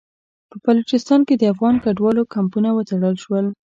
په بلوچستان کې د افغان کډوالو کمپونه وتړل شول.